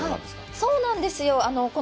そうなんですよ。